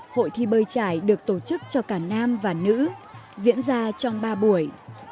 hội thi bơi trải được tổ chức cho cả nam và nữ diễn ra trong ba buổi